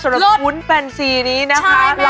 สำหรับวุ้นแฟนซีนี้นะคะ